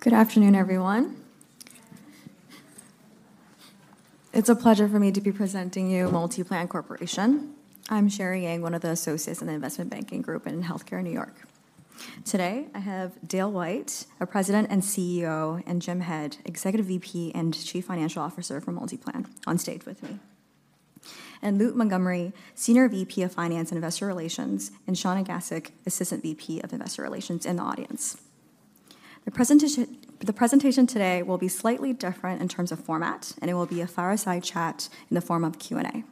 Good afternoon, everyone. It's a pleasure for me to be presenting you MultiPlan Corporation. I'm Sherry Yang, one of the associates in the investment banking group in healthcare in New York. Today, I have Dale White, our President and CEO, and Jim Head, Executive VP and Chief Financial Officer for MultiPlan, on stage with me, and Luke Montgomery, Senior VP of Finance and Investor Relations, and Shawna Gasik, Assistant VP of Investor Relations, in the audience. The presentation, the presentation today will be slightly different in terms of format, and it will be a fireside chat in the form of Q&A.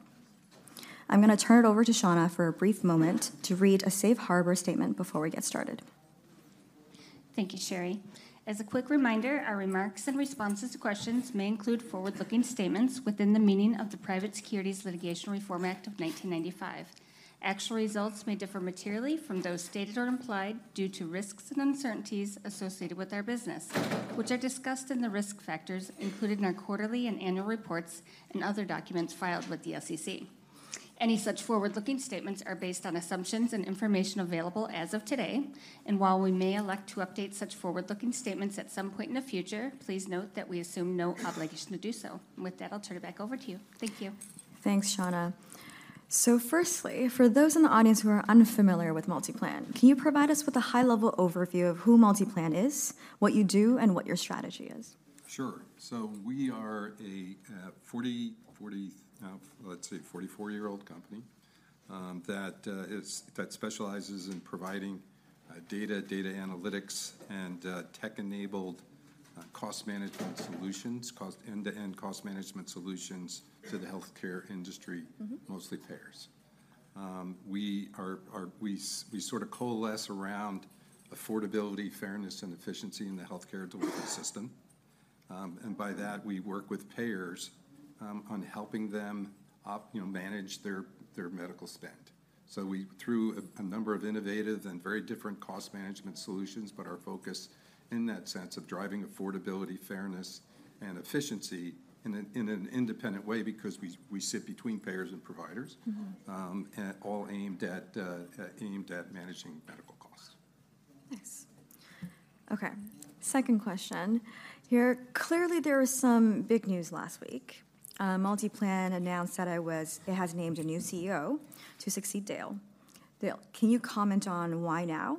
I'm gonna turn it over to Shawna for a brief moment to read a safe harbor statement before we get started. Thank you, Sherry. As a quick reminder, our remarks and responses to questions may include forward-looking statements within the meaning of the Private Securities Litigation Reform Act of 1995. Actual results may differ materially from those stated or implied due to risks and uncertainties associated with our business, which are discussed in the risk factors included in our quarterly and annual reports and other documents filed with the SEC. Any such forward-looking statements are based on assumptions and information available as of today, and while we may elect to update such forward-looking statements at some point in the future, please note that we assume no obligation to do so. And with that, I'll turn it back over to you. Thank you. Thanks, Shawna. So firstly, for those in the audience who are unfamiliar with MultiPlan, can you provide us with a high-level overview of who MultiPlan is, what you do, and what your strategy is? Sure. So we are a 44-year-old company that specializes in providing data analytics and tech-enabled end-to-end cost management solutions to the healthcare industry. Mm-hmm... mostly payers. We sort of coalesce around affordability, fairness, and efficiency in the healthcare delivery system. And by that, we work with payers on helping them, you know, manage their medical spend. So we, through a number of innovative and very different cost management solutions, but are focused in that sense of driving affordability, fairness, and efficiency in an independent way because we sit between payers and providers. Mm-hmm. All aimed at managing medical costs. Thanks. Okay, second question. Here, clearly there was some big news last week. MultiPlan announced that I was-- it has named a new CEO to succeed Dale. Dale, can you comment on why now,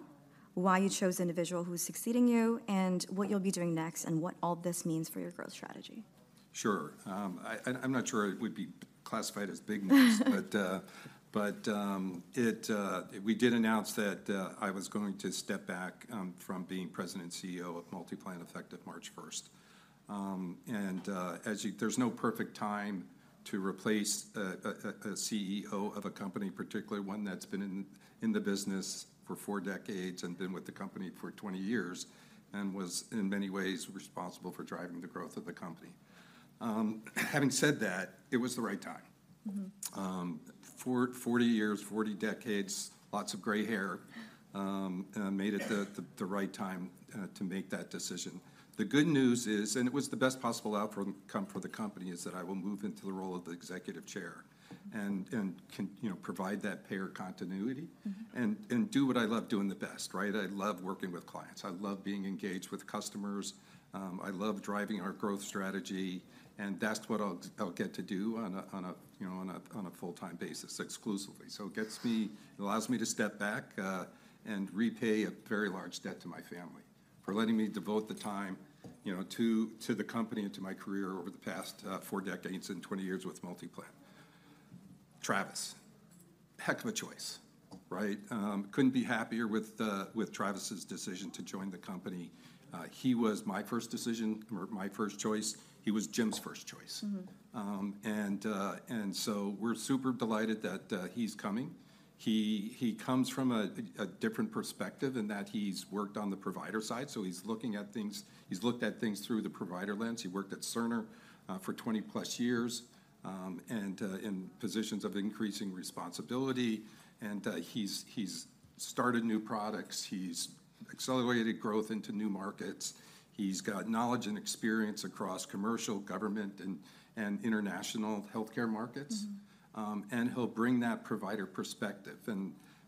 why you chose the individual who is succeeding you, and what you'll be doing next, and what all this means for your growth strategy? Sure. I'm not sure it would be classified as big news, but we did announce that I was going to step back from being President and CEO of MultiPlan, effective March first. As you, there's no perfect time to replace a CEO of a company, particularly one that's been in the business for four decades, and been with the company for 20 years, and was in many ways responsible for driving the growth of the company. Having said that, it was the right time. Mm-hmm. 40 years, 40 decades, lots of gray hair, made it the right time to make that decision. The good news is, and it was the best possible outcome for the company, is that I will move into the role of the Executive Chairman and can, you know, provide that payer continuity- Mm-hmm... and do what I love doing the best, right? I love working with clients. I love being engaged with customers. I love driving our growth strategy, and that's what I'll get to do on a, you know, on a full-time basis, exclusively. So it gets me... It allows me to step back and repay a very large debt to my family for letting me devote the time, you know, to the company and to my career over the past 4 decades and 20 years with MultiPlan. Travis, heck of a choice, right? Couldn't be happier with Travis's decision to join the company. He was my first decision or my first choice. He was Jim's first choice. Mm-hmm. So we're super delighted that he's coming. He comes from a different perspective in that he's worked on the provider side, so he's looking at things—he's looked at things through the provider lens. He worked at Cerner for 20+ years, and in positions of increasing responsibility, and he's started new products. He's accelerated growth into new markets. He's got knowledge and experience across commercial, government, and international healthcare markets. Mm-hmm. He'll bring that provider perspective.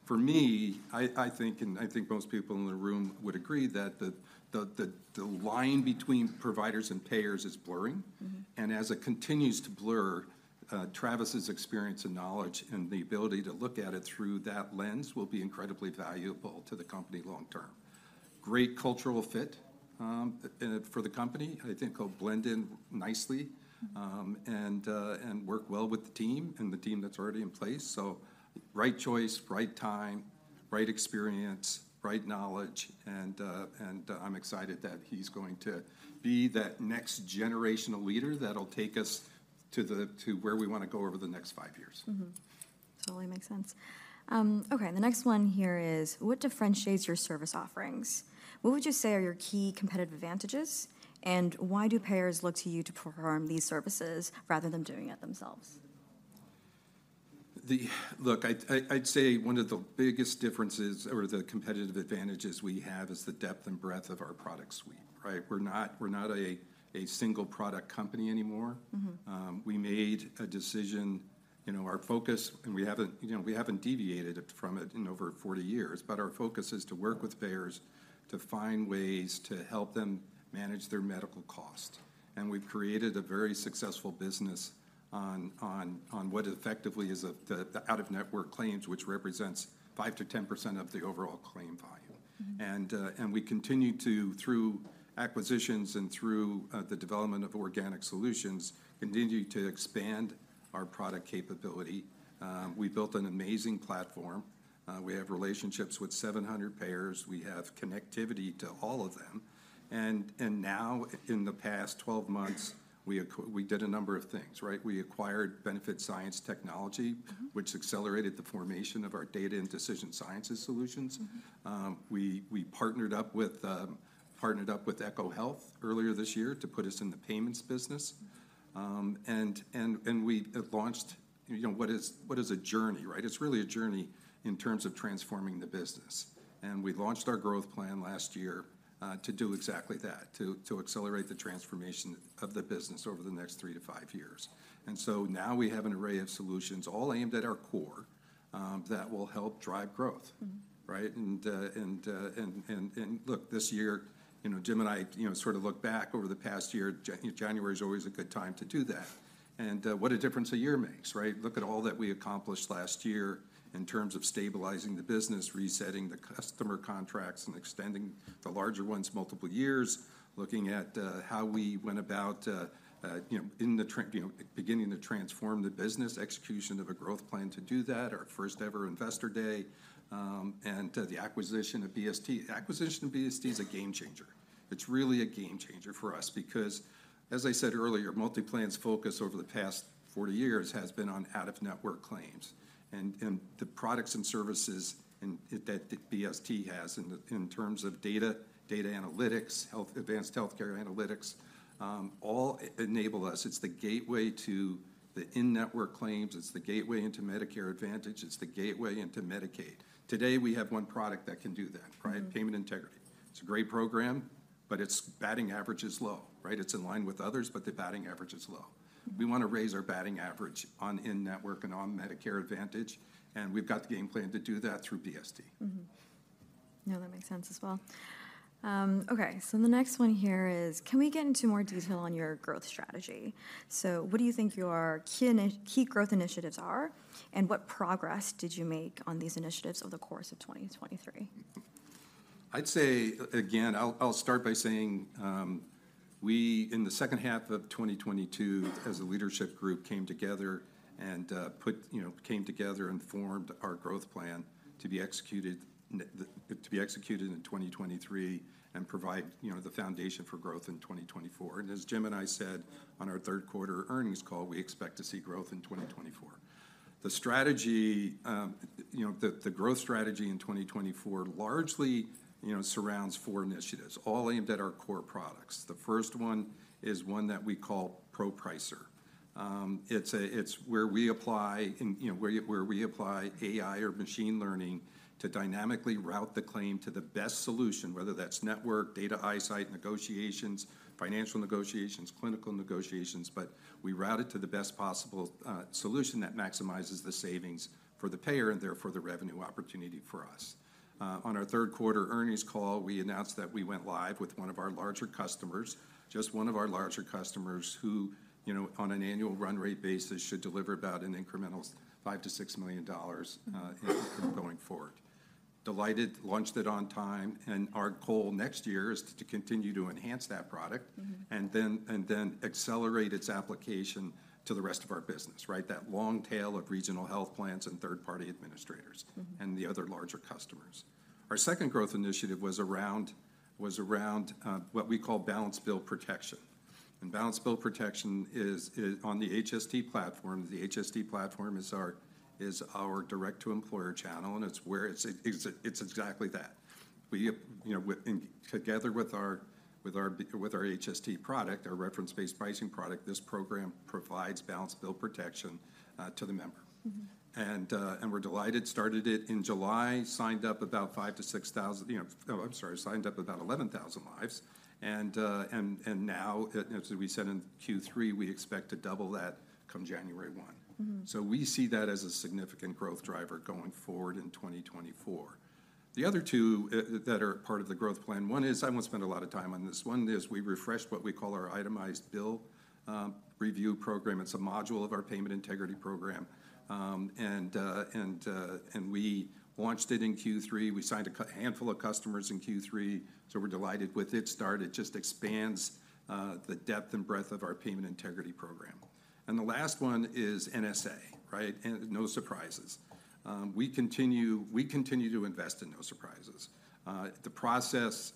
For me, I think most people in the room would agree that the line between providers and payers is blurring. Mm-hmm. As it continues to blur, Travis's experience and knowledge, and the ability to look at it through that lens, will be incredibly valuable to the company long term. Great cultural fit, in it for the company. I think he'll blend in nicely- Mm-hmm... and work well with the team and the team that's already in place. So right choice, right time, right experience, right knowledge, and I'm excited that he's going to be that next-generational leader that'll take us to where we wanna go over the next five years. Mm-hmm. Totally makes sense. Okay, the next one here is: What differentiates your service offerings? What would you say are your key competitive advantages, and why do payers look to you to perform these services, rather than doing it themselves? Look, I'd say one of the biggest differences or the competitive advantages we have is the depth and breadth of our product suite, right? We're not a single-product company anymore. Mm-hmm. You know, our focus, and we haven't, you know, we haven't deviated from it in over 40 years, but our focus is to work with payers to find ways to help them manage their medical costs. And we've created a very successful business on what effectively is the out-of-network claims, which represents 5%-10% of the overall claim volume. Mm-hmm. We continue to, through acquisitions and through the development of organic solutions, continue to expand our product capability. We built an amazing platform. We have relationships with 700 payers. We have connectivity to all of them. And now, in the past 12 months, we did a number of things, right? We acquired Benefits Science Technologies- Mm-hmm. - which accelerated the formation of our data and decision sciences solutions. Mm-hmm. We partnered up with ECHO Health earlier this year to put us in the payments business. And we have launched, you know, what is a journey, right? It's really a journey in terms of transforming the business. And we launched our growth plan last year to do exactly that, to accelerate the transformation of the business over the next 3-5 years. And so now we have an array of solutions, all aimed at our core, that will help drive growth. Mm-hmm. Right? And look, this year, you know, Jim and I, you know, sort of looked back over the past year. January is always a good time to do that. And what a difference a year makes, right? Look at all that we accomplished last year in terms of stabilizing the business, resetting the customer contracts, and extending the larger ones multiple years. Looking at, you know, beginning to transform the business, execution of a growth plan to do that, our first-ever investor day, and the acquisition of BST. The acquisition of BST is a game changer. It's really a game changer for us because, as I said earlier, MultiPlan's focus over the past 40 years has been on out-of-network claims. And the products and services that BST has in terms of data analytics, advanced healthcare analytics, all enable us. It's the gateway to the in-network claims. It's the gateway into Medicare Advantage. It's the gateway into Medicaid. Today, we have one product that can do that, right? Mm-hmm. Payment Integrity. It's a great program, but its batting average is low, right? It's in line with others, but the batting average is low. Mm-hmm. We wanna raise our batting average on in-network and on Medicare Advantage, and we've got the game plan to do that through BST. Mm-hmm. No, that makes sense as well. Okay, so the next one here is: Can we get into more detail on your growth strategy? So what do you think your key growth initiatives are, and what progress did you make on these initiatives over the course of 2023? I'd say, again, I'll start by saying, we in the second half of 2022, as a leadership group, came together and formed our growth plan to be executed in 2023 and provide, you know, the foundation for growth in 2024. As Jim and I said on our third quarter earnings call, we expect to see growth in 2024. The strategy, you know, the growth strategy in 2024 largely, you know, surrounds four initiatives, all aimed at our core products. The first one is one that we call ProPricer. It's where we apply and, you know, where we apply AI or machine learning to dynamically route the claim to the best solution, whether that's network, Data iSight, negotiations, financial negotiations, clinical negotiations, but we route it to the best possible solution that maximizes the savings for the payer and therefore the revenue opportunity for us. On our third quarter earnings call, we announced that we went live with one of our larger customers, just one of our larger customers, who, you know, on an annual run rate basis, should deliver about an incremental $5 million-$6 million going forward. Delighted, launched it on time, and our goal next year is to continue to enhance that product- Mm-hmm... and then, and then accelerate its application to the rest of our business, right? That long tail of regional health plans and third-party administrators- Mm-hmm... and the other larger customers. Our second growth initiative was around what we call balance bill protection. Balance bill protection is on the HST platform. The HST platform is our direct-to-employer channel, and it's exactly that. We, you know, together with our HST product, our reference-based pricing product, this program provides balance bill protection to the member. Mm-hmm. And we're delighted, started it in July, signed up about 5,000-6,000, you know... Oh, I'm sorry, signed up about 11,000 lives. And now, as we said in Q3, we expect to double that come January 1. Mm-hmm. So we see that as a significant growth driver going forward in 2024. The other two that are part of the growth plan, one is, I won't spend a lot of time on this. One is we refreshed what we call our Itemized Bill Review program. It's a module of our Payment Integrity program. And we launched it in Q3. We signed a handful of customers in Q3, so we're delighted with its start. It just expands the depth and breadth of our Payment Integrity program. And the last one is NSA, right? And No Surprises. We continue to invest in No Surprises. The process,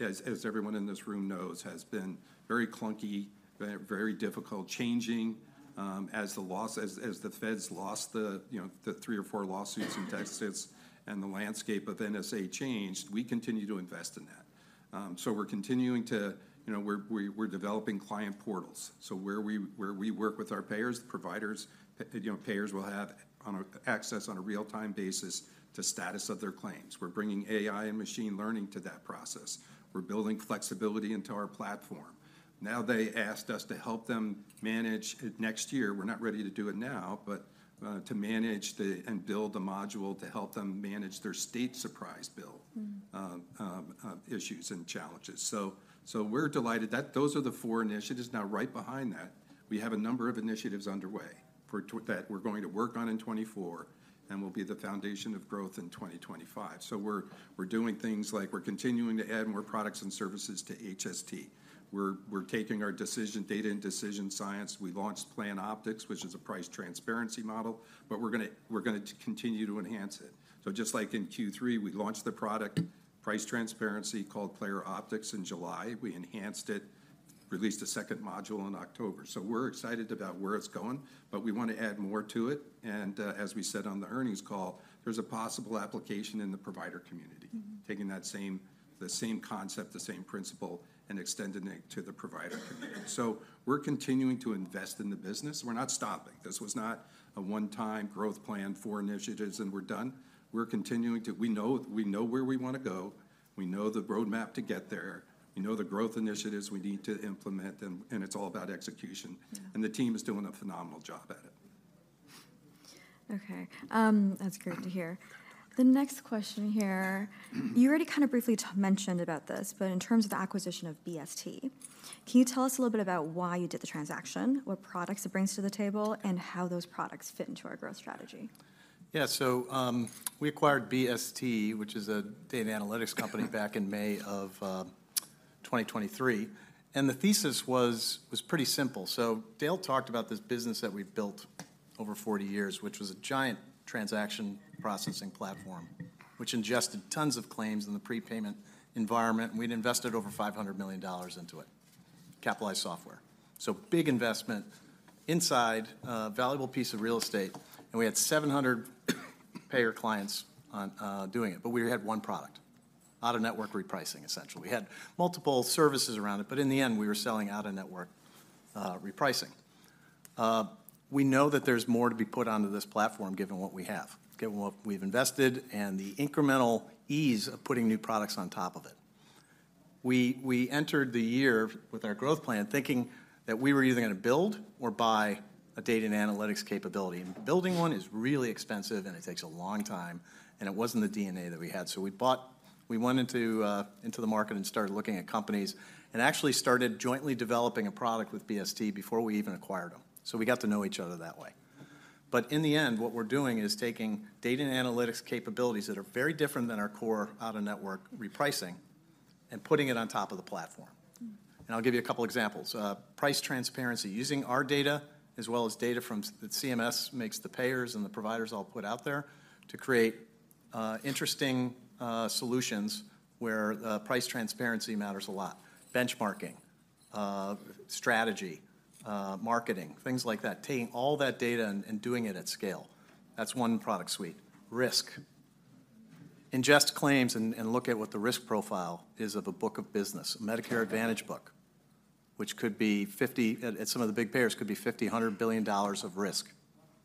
as everyone in this room knows, has been very clunky, very, very difficult, changing, as the laws, as the feds lost the, you know, the three or four lawsuits in Texas, and the landscape of NSA changed. We continue to invest in that. So we're continuing to, you know, we're developing client portals. So where we work with our payers, providers, you know, payers will have- ... on access on a real-time basis to status of their claims. We're bringing AI and machine learning to that process. We're building flexibility into our platform. Now, they asked us to help them manage it next year. We're not ready to do it now, but to manage and build a module to help them manage their state surprise bill- Mm-hmm... issues and challenges. So we're delighted that those are the four initiatives. Now, right behind that, we have a number of initiatives underway that we're going to work on in 2024, and will be the foundation of growth in 2025. So we're doing things like we're continuing to add more products and services to HST. We're taking our data and decision science. We launched PlanOptix, which is a price transparency model, but we're gonna continue to enhance it. So just like in Q3, we launched the product price transparency called PlanOptix in July. We enhanced it, released a second module in October. So we're excited about where it's going, but we want to add more to it, and as we said on the earnings call, there's a possible application in the provider community. Mm-hmm. Taking that same concept, the same principle, and extending it to the provider community. So we're continuing to invest in the business. We're not stopping. This was not a one-time growth plan for initiatives, and we're done. We're continuing to... We know, we know where we wanna go. We know the roadmap to get there. We know the growth initiatives we need to implement, and it's all about execution. Yeah. The team is doing a phenomenal job at it. Okay, that's great to hear. The next question here, you already kind of briefly mentioned about this, but in terms of the acquisition of BST, can you tell us a little bit about why you did the transaction, what products it brings to the table, and how those products fit into our growth strategy? Yeah so, we acquired BST, which is a data analytics company, back in May of 2023, and the thesis was pretty simple. So Dale talked about this business that we've built over 40 years, which was a giant transaction processing platform, which ingested tons of claims in the prepayment environment, and we'd invested over $500 million into it, capitalized software. So big investment inside a valuable piece of real estate, and we had 700 payer clients on doing it, but we had one product: out-of-network repricing, essentially. We had multiple services around it, but in the end, we were selling out-of-network repricing. We know that there's more to be put onto this platform, given what we have, given what we've invested, and the incremental ease of putting new products on top of it. We entered the year with our growth plan, thinking that we were either gonna build or buy a data and analytics capability, and building one is really expensive, and it takes a long time, and it wasn't the DNA that we had. So we bought—we went into the market and started looking at companies, and actually started jointly developing a product with BST before we even acquired them. So we got to know each other that way. But in the end, what we're doing is taking data and analytics capabilities that are very different than our core out-of-network repricing and putting it on top of the platform. Mm. And I'll give you a couple examples. Price transparency, using our data as well as data from that CMS makes the payers and the providers all put out there to create interesting solutions where price transparency matters a lot: benchmarking, strategy, marketing, things like that. Taking all that data and doing it at scale, that's one product suite. Risk. Ingest claims and look at what the risk profile is of a book of business, a Medicare Advantage book, which could be 50... At some of the big payers, could be 50, $100 billion of risk,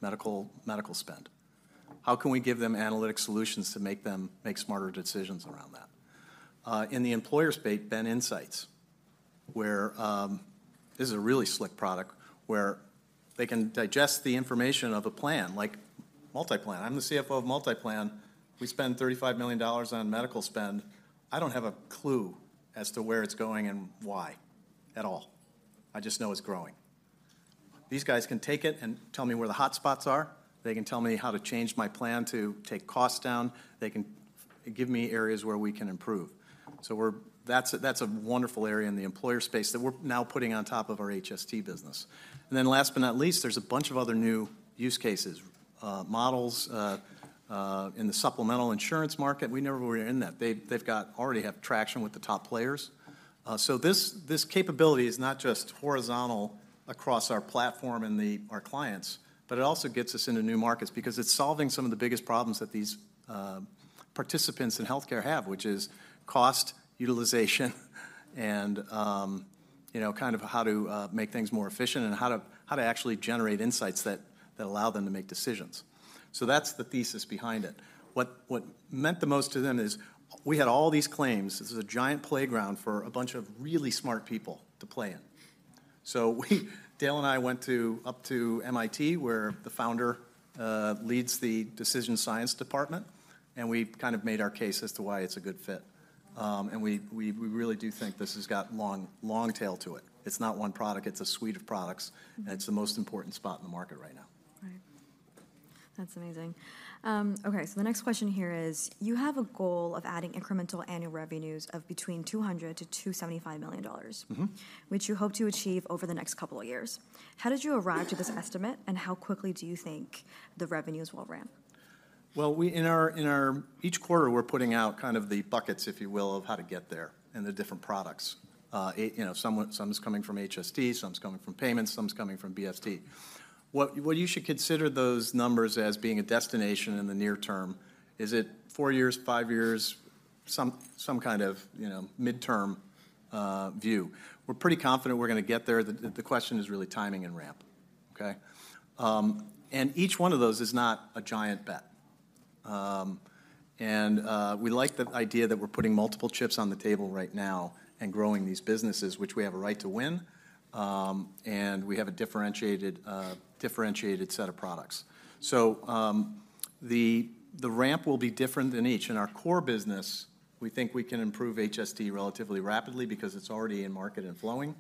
medical spend. How can we give them analytic solutions to make them make smarter decisions around that? In the employer space, BenInsights, where... This is a really slick product, where they can digest the information of a plan, like MultiPlan. I'm the CFO of MultiPlan. We spend $35 million on medical spend. I don't have a clue as to where it's going and why at all. I just know it's growing. These guys can take it and tell me where the hotspots are. They can tell me how to change my plan to take costs down. They can give me areas where we can improve. So we're – that's a, that's a wonderful area in the employer space that we're now putting on top of our HST business. And then last but not least, there's a bunch of other new use cases, models, in the supplemental insurance market. We never were in that. They, they've got – already have traction with the top players. So this, this capability is not just horizontal across our platform and our clients, but it also gets us into new markets because it's solving some of the biggest problems that these participants in healthcare have, which is cost, utilization, and, you know, kind of how to make things more efficient and how to, how to actually generate insights that, that allow them to make decisions. So that's the thesis behind it. What, what meant the most to them is we had all these claims. This is a giant playground for a bunch of really smart people to play in. So we... Dale and I went up to MIT, where the founder leads the decision science department, and we kind of made our case as to why it's a good fit. We really do think this has got long, long tail to it. It's not one product. It's a suite of products, and it's the most important spot in the market right now. Right. That's amazing. Okay, so the next question here is: You have a goal of adding incremental annual revenues of between $200 million-$275 million- Mm-hmm... which you hope to achieve over the next couple of years. How did you arrive to this estimate, and how quickly do you think the revenues will ramp? Well, we in our each quarter, we're putting out kind of the buckets, if you will, of how to get there and the different products. You know, some's coming from HST, some's coming from payments, some's coming from BST. Well, you should consider those numbers as being a destination in the near term. Is it four years, five years?... some kind of, you know, midterm view. We're pretty confident we're gonna get there. The question is really timing and ramp, okay? And each one of those is not a giant bet. We like the idea that we're putting multiple chips on the table right now and growing these businesses, which we have a right to win, and we have a differentiated set of products. So, the ramp will be different in each. In our core business, we think we can improve HSD relatively rapidly because it's already in market and flowing.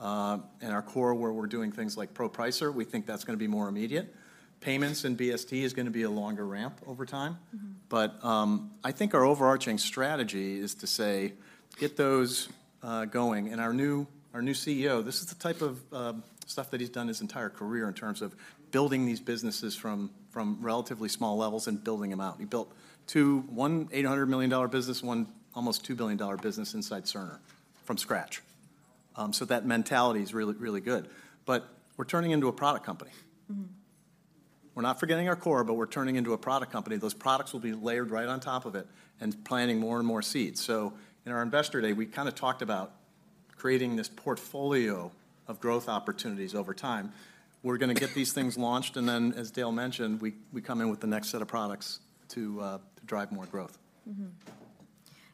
Mm-hmm. In our core, where we're doing things like ProPricer, we think that's gonna be more immediate. Payments and BST is gonna be a longer ramp over time. Mm-hmm. But, I think our overarching strategy is to say, get those, going. And our new, our new CEO, this is the type of, stuff that he's done his entire career, in terms of building these businesses from, from relatively small levels and building them out. He built two—one $800 million business, one almost $2 billion business inside Cerner, from scratch. So that mentality is really, really good. But we're turning into a product company. Mm-hmm. We're not forgetting our core, but we're turning into a product company. Those products will be layered right on top of it, and planting more and more seeds. So in our Investor Day, we kinda talked about creating this portfolio of growth opportunities over time. We're gonna get these things launched, and then, as Dale mentioned, we come in with the next set of products to drive more growth. Mm-hmm.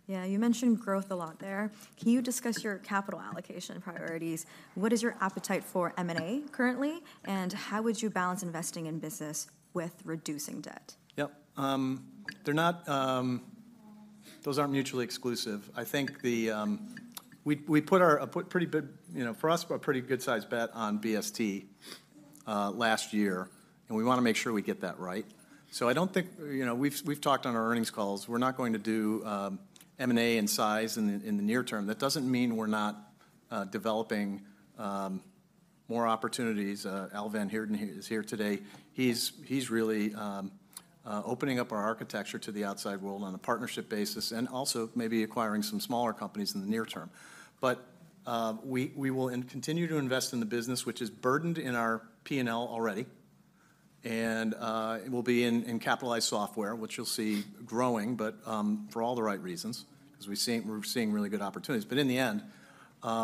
Yeah, you mentioned growth a lot there. Can you discuss your capital allocation priorities? What is your appetite for M&A currently, and how would you balance investing in business with reducing debt? Yep. They're not... Those aren't mutually exclusive. I think we put our a pretty big, you know, for us, a pretty good-sized bet on BST last year, and we wanna make sure we get that right. So I don't think, you know, we've talked on our earnings calls, we're not going to do M&A in size in the near term. That doesn't mean we're not developing more opportunities. Al van Heerden is here today. He's really opening up our architecture to the outside world on a partnership basis, and also maybe acquiring some smaller companies in the near term. But we will continue to invest in the business, which is burdened in our P&L already, and it will be in capitalized software, which you'll see growing, but for all the right reasons, 'cause we're seeing really good opportunities. But in the end,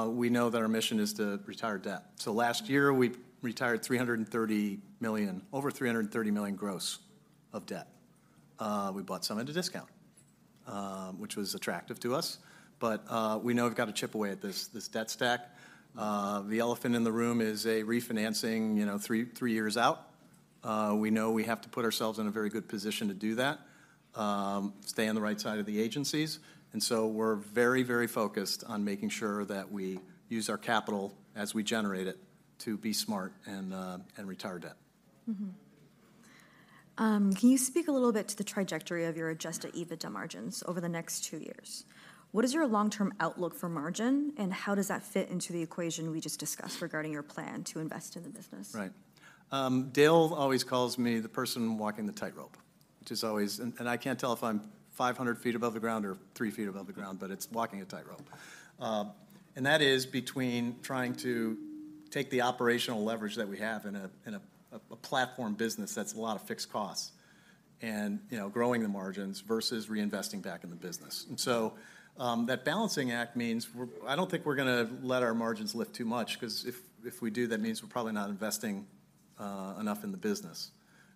we know that our mission is to retire debt. So last year, we retired $330 million, over $330 million gross of debt. We bought some at a discount, which was attractive to us, but we know we've got to chip away at this debt stack. The elephant in the room is a refinancing, you know, three years out. We know we have to put ourselves in a very good position to do that, stay on the right side of the agencies. And so we're very, very focused on making sure that we use our capital as we generate it to be smart and retire debt. Mm-hmm. Can you speak a little bit to the trajectory of your Adjusted EBITDA margins over the next two years? What is your long-term outlook for margin, and how does that fit into the equation we just discussed regarding your plan to invest in the business? Right. Dale always calls me the person walking the tightrope, which is always and I can't tell if I'm 500 feet above the ground or 3 feet above the ground, but it's walking a tightrope. And that is between trying to take the operational leverage that we have in a platform business that's a lot of fixed costs, and, you know, growing the margins versus reinvesting back in the business. And so, that balancing act means we're, I don't think we're gonna let our margins lift too much, 'cause if we do, that means we're probably not investing enough in the business,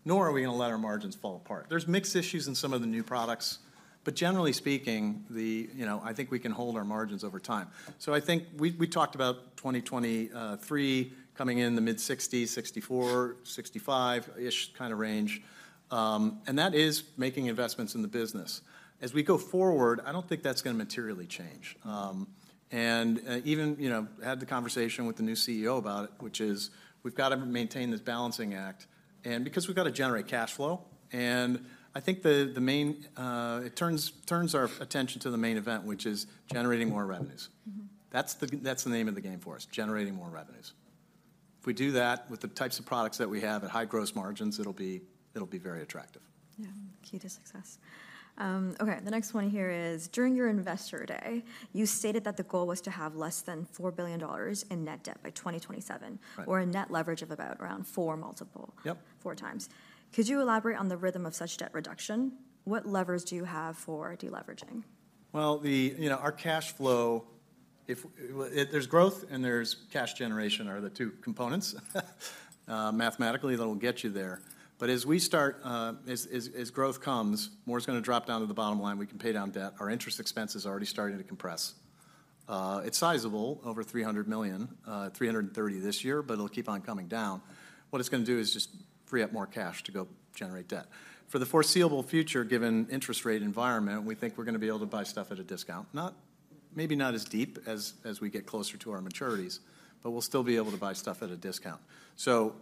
nor are we gonna let our margins fall apart. There's mixed issues in some of the new products, but generally speaking, you know, I think we can hold our margins over time. So I think we talked about 2023 coming in the mid-60, 64-65-ish kind of range, and that is making investments in the business. As we go forward, I don't think that's gonna materially change. And even, you know, had the conversation with the new CEO about it, which is, we've got to maintain this balancing act, and because we've got to generate cash flow, and I think the main, it turns our attention to the main event, which is generating more revenues. Mm-hmm. That's the name of the game for us, generating more revenues. If we do that with the types of products that we have at high gross margins, it'll be very attractive. Yeah, the key to success. Okay, the next one here is: During your Investor Day, you stated that the goal was to have less than $4 billion in net debt by 2027- Right... or a net leverage of about around 4x multiple- Yep four times. Could you elaborate on the rhythm of such debt reduction? What levers do you have for de-leveraging? Well, you know, our cash flow, if there's growth and there's cash generation, are the two components, mathematically, that'll get you there. But as we start, as growth comes, more is gonna drop down to the bottom line, we can pay down debt. Our interest expense is already starting to compress. It's sizable, over $300 million, $330 million this year, but it'll keep on coming down. What it's gonna do is just free up more cash to go generate debt. For the foreseeable future, given interest rate environment, we think we're gonna be able to buy stuff at a discount. Not, maybe not as deep as we get closer to our maturities, but we'll still be able to buy stuff at a discount. So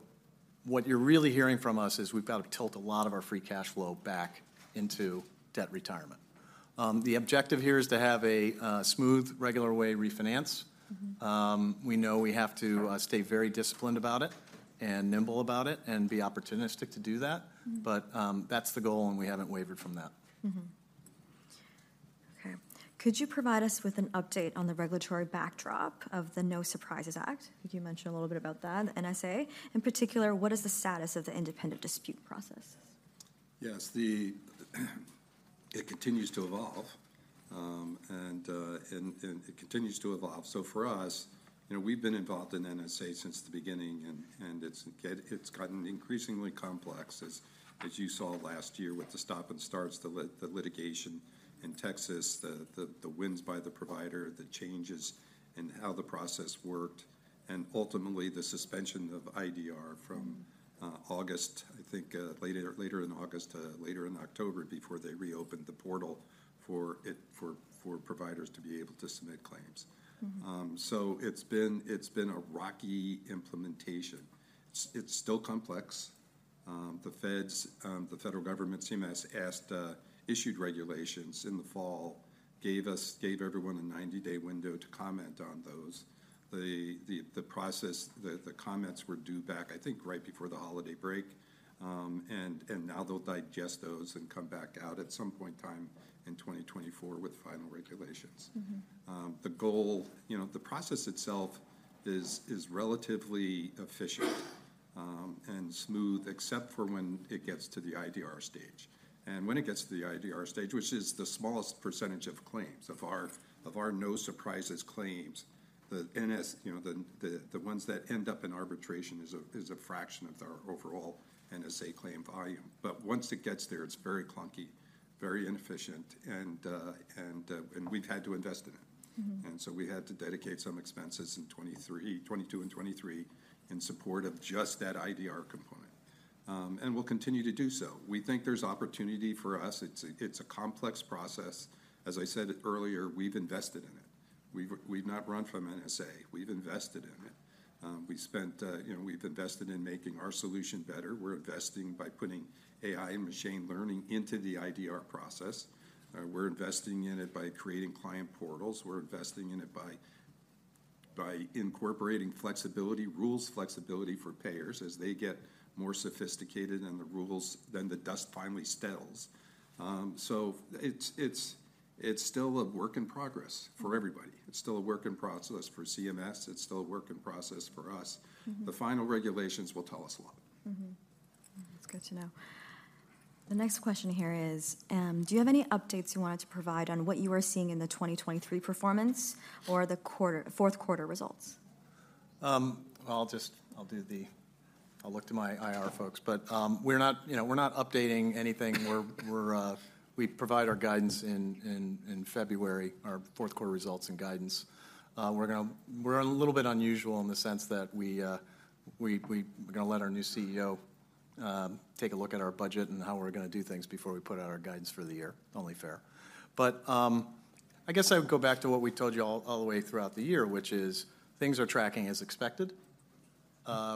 what you're really hearing from us is, we've got to tilt a lot of our free cash flow back into debt retirement. The objective here is to have a smooth, regular way refinance. Mm-hmm. We know we have to stay very disciplined about it, and nimble about it, and be opportunistic to do that. Mm-hmm. That's the goal, and we haven't wavered from that. Mm-hmm. Okay. Could you provide us with an update on the regulatory backdrop of the No Surprises Act? Could you mention a little bit about that, NSA? In particular, what is the status of the independent dispute process? Yes, it continues to evolve, and it continues to evolve. So for us, you know, we've been involved in NSA since the beginning, and it's gotten increasingly complex, as you saw last year with the stop-and-starts, the litigation in Texas, the wins by the provider, the changes in how the process worked, and ultimately, the suspension of IDR from- Mm-hmm... August, I think, later in August to later in October, before they reopened the portal for it, for providers to be able to submit claims. Mm-hmm. So it's been, it's been a rocky implementation. It's still complex. The Feds, the federal government, CMS issued regulations in the fall, gave everyone a 90-day window to comment on those. The process, the comments were due back, I think, right before the holiday break. And now they'll digest those and come back out at some point in time in 2024 with final regulations. Mm-hmm. The goal... You know, the process itself is relatively efficient and smooth, except for when it gets to the IDR stage. When it gets to the IDR stage, which is the smallest percentage of claims of our No Surprises claims, the NS, you know, the ones that end up in arbitration is a fraction of our overall NSA claim volume. But once it gets there, it's very clunky, very inefficient, and we've had to invest in it. Mm-hmm. And so we had to dedicate some expenses in 2023, 2022 and 2023, in support of just that IDR component. And we'll continue to do so. We think there's opportunity for us. It's a complex process. As I said earlier, we've invested in it. We've not run from NSA. We've invested in it. You know, we've invested in making our solution better. We're investing by putting AI and machine learning into the IDR process. We're investing in it by creating client portals. We're investing in it by incorporating flexibility, rules flexibility for payers as they get more sophisticated, and the rules, then the dust finally settles. So it's still a work in progress for everybody. Mm-hmm. It's still a work in progress for CMS. It's still a work in progress for us. Mm-hmm. The final regulations will tell us a lot. Mm-hmm. That's good to know. The next question here is: Do you have any updates you wanted to provide on what you are seeing in the 2023 performance or the fourth quarter results? I'll look to my IR folks. But, we're not, you know, we're not updating anything. We're providing our guidance in February, our fourth quarter results and guidance. We're a little bit unusual in the sense that we're gonna let our new CEO take a look at our budget and how we're gonna do things before we put out our guidance for the year. Only fair. But, I guess I would go back to what we told you all the way throughout the year, which is, things are tracking as expected.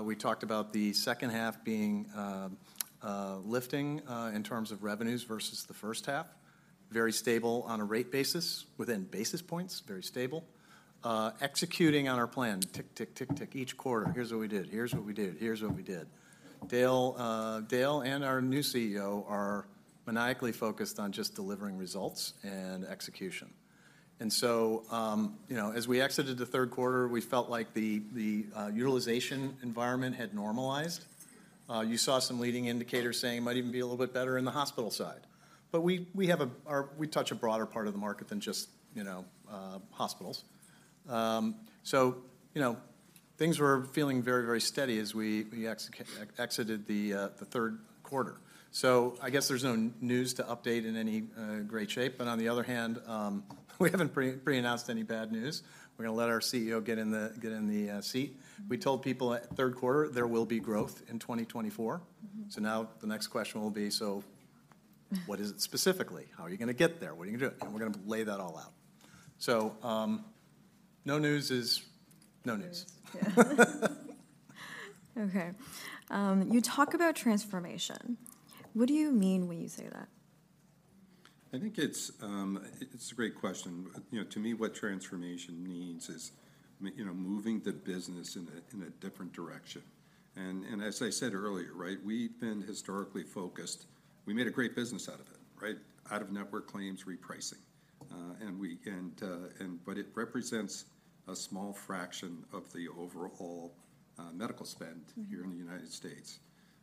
We talked about the second half being lifting in terms of revenues versus the first half. Very stable on a rate basis, within basis points, very stable. Executing on our plan, tick, tick, tick, tick, each quarter, here's what we did, here's what we did, here's what we did. Dale, Dale and our new CEO are maniacally focused on just delivering results and execution. So, you know, as we exited the third quarter, we felt like the utilization environment had normalized. You saw some leading indicators saying it might even be a little bit better in the hospital side. But we touch a broader part of the market than just, you know, hospitals. So, you know, things were feeling very, very steady as we exited the third quarter. I guess there's no news to update in any great shape. But on the other hand, we haven't pre-announced any bad news. We're gonna let our CEO get in the seat. We told people at third quarter, there will be growth in 2024. Mm-hmm. So now the next question will be: "So what is it specifically? How are you gonna get there? What are you gonna do?" And we're gonna lay that all out. So, no news is no news. News. Yeah. Okay. You talk about transformation. What do you mean when you say that? I think it's a great question. You know, to me, what transformation means is you know, moving the business in a different direction. And as I said earlier, right, we've been historically focused. We made a great business out of it, right? Out-of-network claims repricing, and but it represents a small fraction of the overall medical spend- Mm-hmm... here in the United States.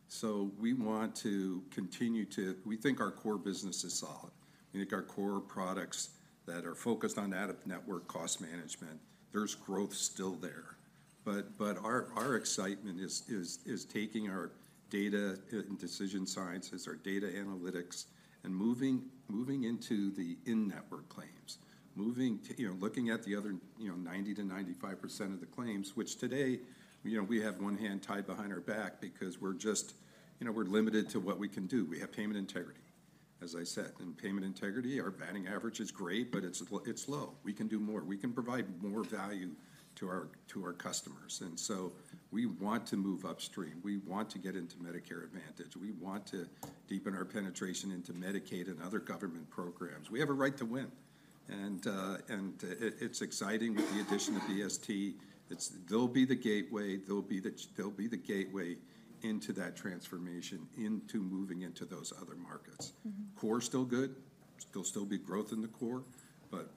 So we want to continue to. We think our core business is solid. We think our core products that are focused on out-of-network cost management, there's growth still there. But our excitement is taking our data and decision sciences, our data analytics, and moving into the in-network claims, moving to, you know, looking at the other, you know, 90%-95% of the claims, which today, you know, we have one hand tied behind our back because we're just... You know, we're limited to what we can do. We have Payment Integrity, as I said. In Payment Integrity, our batting average is great, but it's low. We can do more. We can provide more value to our customers. And so we want to move upstream. We want to get into Medicare Advantage. We want to deepen our penetration into Medicaid and other government programs. We have a right to win, and it's exciting with the addition of BST. They'll be the gateway into that transformation, into moving into those other markets. Mm-hmm. Core's still good. There'll still be growth in the core, but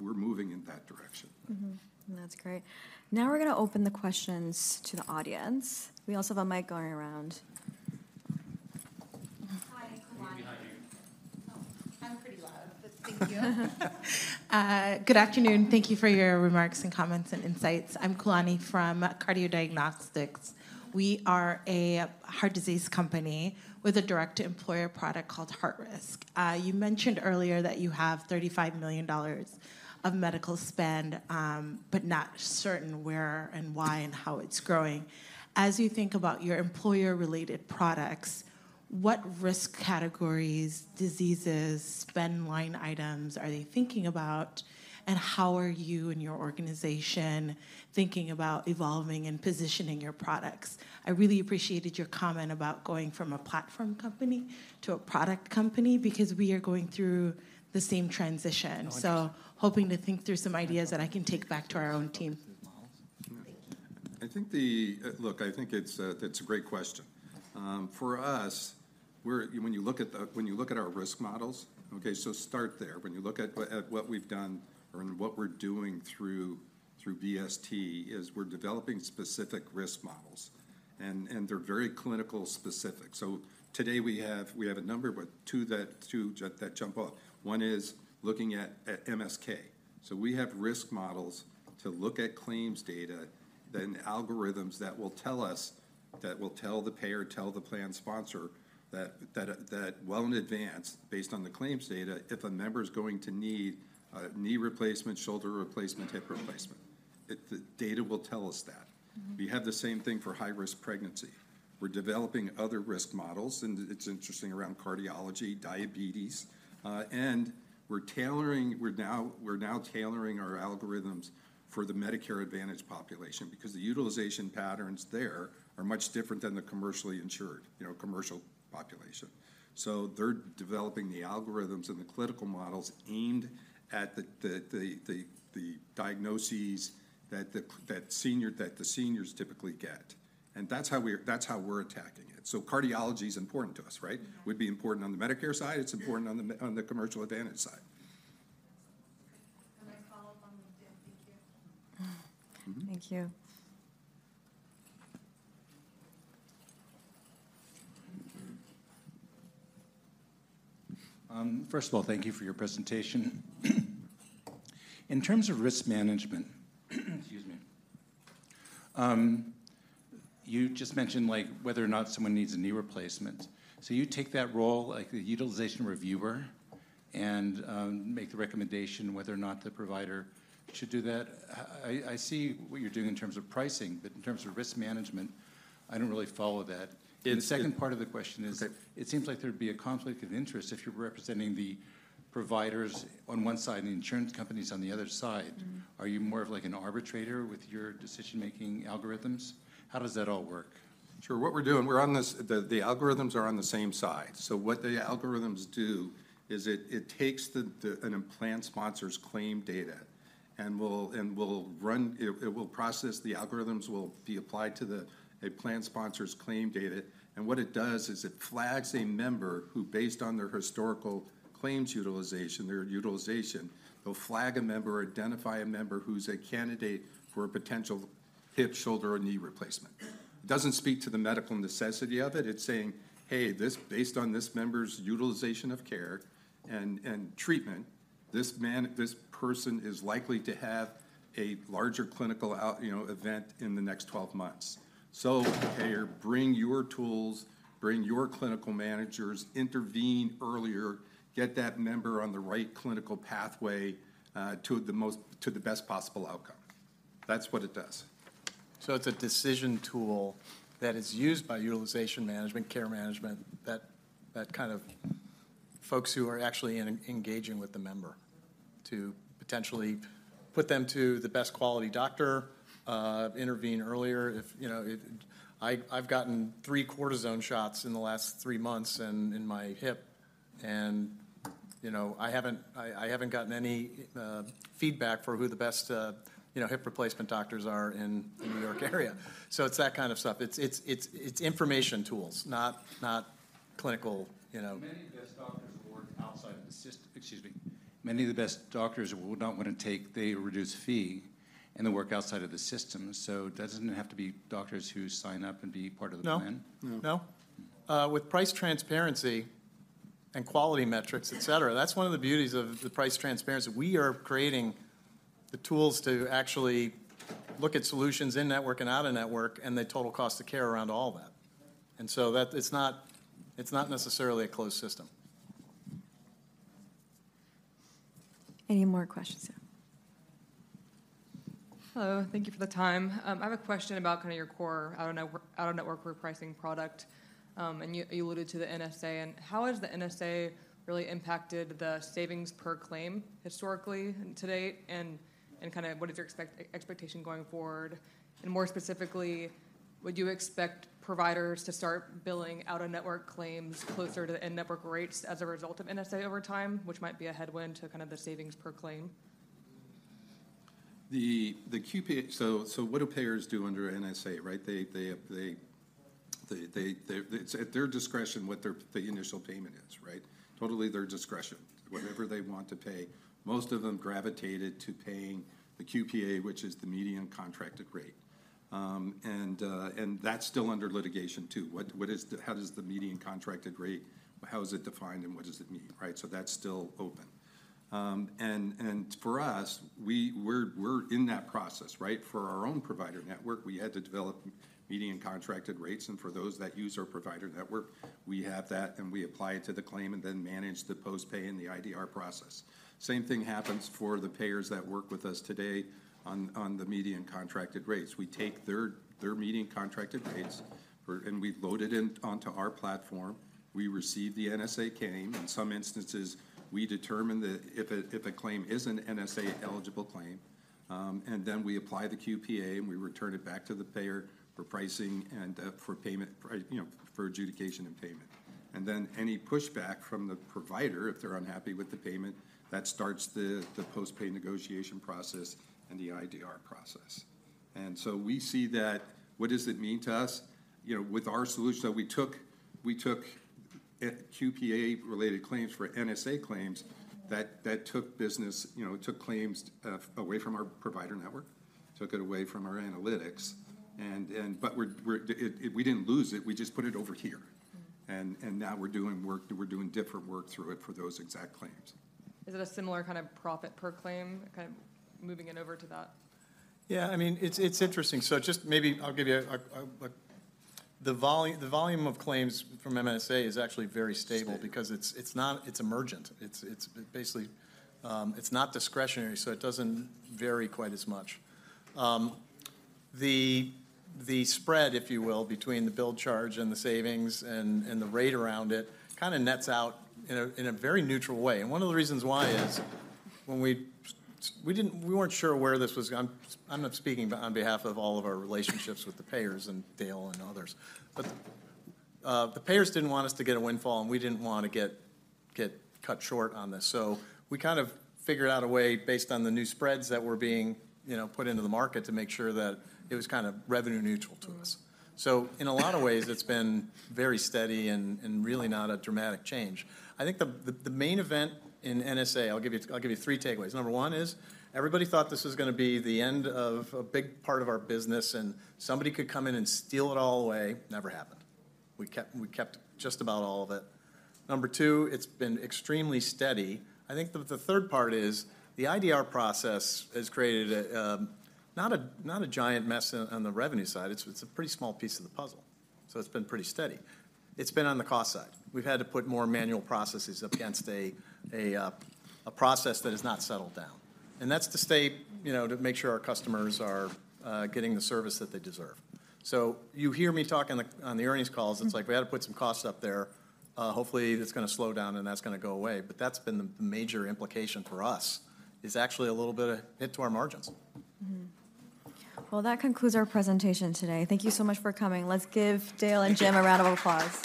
we're moving in that direction. Mm-hmm. That's great. Now we're gonna open the questions to the audience. We also have a mic going around. Hi, Kalani. Behind you. Oh, I'm pretty loud, but thank you. Good afternoon. Thank you for your remarks and comments and insights. I'm Kalani from CardioDiagnostics. We are a heart disease company with a direct-to-employer product called Heart Risk. You mentioned earlier that you have $35 million of medical spend, but not certain where and why and how it's growing. As you think about your employer-related products, what risk categories, diseases, spend line items are they thinking about, and how are you and your organization thinking about evolving and positioning your products? I really appreciated your comment about going from a platform company to a product company, because we are going through the same transition. Oh, I see. So, hoping to think through some ideas that I can take back to our own team. Models. Thank you. I think, look, I think it's a, that's a great question. For us, we're when you look at the, when you look at our risk models. Okay, so start there. When you look at what we've done or and what we're doing through BST, is we're developing specific risk models, and they're very clinical specific. So today we have a number, but two that jump out. One is looking at MSK. So we have risk models to look at claims data, then algorithms that will tell us that will tell the payer, tell the plan sponsor, that well in advance, based on the claims data, if a member's going to need a knee replacement, shoulder replacement, hip replacement. The data will tell us that. Mm-hmm. We have the same thing for high-risk pregnancy. We're developing other risk models, and it's interesting, around cardiology, diabetes. And we're tailoring, we're now tailoring our algorithms for the Medicare Advantage population, because the utilization patterns there are much different than the commercially insured, you know, commercial population. So they're developing the algorithms and the clinical models aimed at the diagnoses that the seniors typically get. And that's how we're attacking it. So cardiology is important to us, right? Mm-hmm. Would be important on the Medicare side. It's important on the Medicare Advantage side. Can I follow up on the dental care? Mm-hmm. Thank you. First of all, thank you for your presentation. In terms of risk management, excuse me, you just mentioned, like, whether or not someone needs a knee replacement. So you take that role, like the utilization reviewer, and make the recommendation whether or not the provider should do that? I see what you're doing in terms of pricing, but in terms of risk management, I don't really follow that. It- The second part of the question is- Okay... it seems like there'd be a conflict of interest if you're representing the providers on one side and the insurance companies on the other side. Mm-hmm. Are you more of, like, an arbitrator with your decision-making algorithms? How does that all work? Sure. What we're doing, we're on this, the algorithms are on the same side. So what the algorithms do is it takes a plan sponsor's claim data and will run... It will process, the algorithms will be applied to a plan sponsor's claim data, and what it does is it flags a member who, based on their historical claims utilization, their utilization, it'll flag a member or identify a member who's a candidate for a potential hip, shoulder, or knee replacement. It doesn't speak to the medical necessity of it. It's saying, "Hey, this, based on this member's utilization of care and treatment, this man, this person is likely to have a larger clinical out, you know, event in the next 12 months. So, payer, bring your tools, bring your clinical managers, intervene earlier, get that member on the right clinical pathway, to the most, to the best possible outcome." That's what it does. So it's a decision tool that is used by utilization management, care management, that kind of folks who are actually engaging with the member to potentially put them to the best quality doctor, intervene earlier, if you know. I've gotten three cortisone shots in the last three months in my hip and, you know, I haven't gotten any feedback for who the best, you know, hip replacement doctors are in the New York area. So it's that kind of stuff. It's information tools, not clinical, you know- Many of the best doctors work outside of the system, excuse me. Many of the best doctors don't want to take the reduced fee, and they work outside of the system, so doesn't it have to be doctors who sign up and be part of the plan? No. No. No. With price transparency and quality metrics, et cetera, that's one of the beauties of the price transparency. We are creating the tools to actually look at solutions in-network and out-of-network, and the total cost of care around all that. And so that, it's not, it's not necessarily a closed system. Any more questions? Hello, thank you for the time. I have a question about kind of your core out-of-network repricing product. And you alluded to the NSA. How has the NSA really impacted the savings per claim historically and to date, and kind of what is your expectation going forward? More specifically, would you expect providers to start billing out-of-network claims closer to in-network rates as a result of NSA over time, which might be a headwind to kind of the savings per claim? The QPA, so what do payers do under NSA, right? It's at their discretion what the initial payment is, right? Totally their discretion, whatever they want to pay. Most of them gravitated to paying the QPA, which is the median contracted rate. And that's still under litigation, too. What is the median contracted rate, how is it defined, and what does it mean, right? So that's still open. And for us, we're in that process, right? For our own provider network, we had to develop median contracted rates, and for those that use our provider network, we have that, and we apply it to the claim and then manage the post-pay and the IDR process. Same thing happens for the payers that work with us today on the median contracted rates. We take their median contracted rates, and we load it in onto our platform. We receive the NSA claim. In some instances, we determine that if a claim is an NSA-eligible claim, and then we apply the QPA, and we return it back to the payer for pricing and for payment, right, you know, for adjudication and payment. And then any pushback from the provider, if they're unhappy with the payment, that starts the post-pay negotiation process and the IDR process. And so we see that... What does it mean to us? You know, with our solution, though, we took QPA-related claims for NSA claims that took business, you know, took claims away from our provider network, took it away from our analytics, and but we didn't lose it, we just put it over here. Mm-hmm. And now we're doing different work through it for those exact claims. Is it a similar kind of profit per claim, kind of moving it over to that? Yeah, I mean, it's interesting. So just maybe I'll give you a... The volume of claims from NSA is actually very stable. Stable. Because it's, it's not, it's emergent. It's, it's, basically, it's not discretionary, so it doesn't vary quite as much. The, the spread, if you will, between the bill charge and the savings and, and the rate around it, kinda nets out in a, in a very neutral way. And one of the reasons why is, when we... we didn't, we weren't sure where this was gone. I'm not speaking on behalf of all of our relationships with the payers and Dale and others. But, the payers didn't want us to get a windfall, and we didn't want to get cut short on this. So we kind of figured out a way, based on the new spreads that were being, you know, put into the market, to make sure that it was kind of revenue neutral to us. Mm-hmm. So in a lot of ways, it's been very steady and really not a dramatic change. I think the main event in NSA. I'll give you three takeaways. Number one is, everybody thought this was gonna be the end of a big part of our business, and somebody could come in and steal it all away. Never happened. We kept just about all of it. Number two, it's been extremely steady. I think the third part is, the IDR process has created not a giant mess on the revenue side. It's a pretty small piece of the puzzle, so it's been pretty steady. It's been on the cost side. We've had to put more manual processes up against a process that has not settled down, and that's to stay, you know, to make sure our customers are getting the service that they deserve. So you hear me talk on the earnings calls. Mm-hmm. It's like we had to put some costs up there. Hopefully, that's gonna slow down, and that's gonna go away. But that's been the major implication for us, is actually a little bit of hit to our margins. Mm-hmm. Well, that concludes our presentation today. Thank you so much for coming. Let's give Dale and Jim a round of applause.